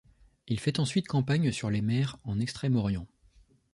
Il fait ensuite campagne sur les mers en Extrême-Orient.